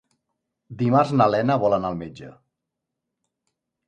Dimarts na Lena vol anar al metge.